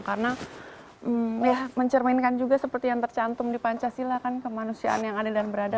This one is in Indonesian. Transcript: karena ya mencerminkan juga seperti yang tercantum di pancasila kan kemanusiaan yang adil dan berada